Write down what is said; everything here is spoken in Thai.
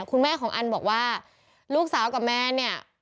คุณแม่ของอันบอกว่าลูกสาวกับแม่เนี่ย